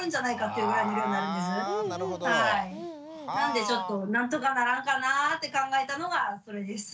なんでちょっと何とかならんかなぁって考えたのがこれです。